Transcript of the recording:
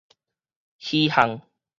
虛肨